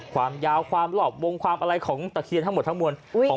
ความยาวความหลอบวงความอะไรของตะเคียนทั้งหมดทั้งมวล